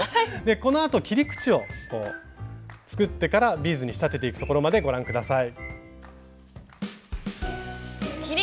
このあと切り口を作ってからビーズに仕立てていくところまでご覧下さい。